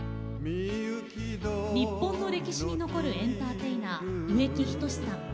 日本の歴史に残るエンターテイナー植木等さん。